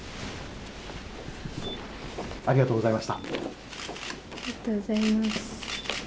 ありがとうございます。